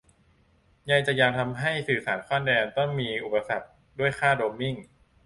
ใยจะยังทำให้สื่อสารข้ามแดนต้องมีอุปสรรคด้วยค่าโรมมิ่ง